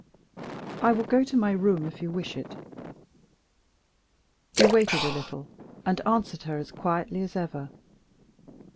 "I will go to my room, if you wish it." He waited a little, and answered her as quietly as ever.